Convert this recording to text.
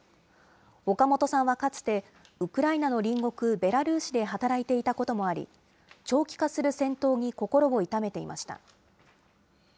岡本さんはかつて、ウクライナの隣国、ベラルーシで働いていたこともあり、長期化する戦闘に心を痛めていました。